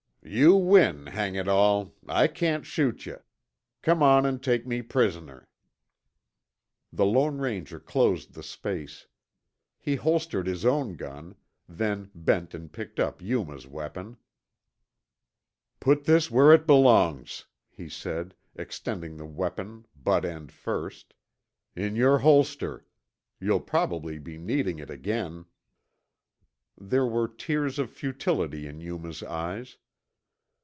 "You win, hang it all, I can't shoot yuh. Come on an' take me prisoner." The Lone Ranger closed the space. He holstered his own gun, then bent and picked up Yuma's weapon. "Put this where it belongs," he said, extending the weapon butt end first, "in your holster. You'll probably be needing it again." There were tears of futility in Yuma's eyes.